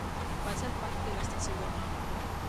Vaig al parc de l'Estació del Nord.